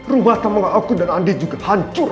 rumah tamu aku dan andi juga hancur